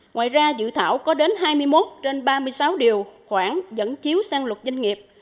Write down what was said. ngoài ra dự thảo có đến hai mươi một trên ba mươi sáu điều khoản dẫn chiếu sang luật doanh nghiệp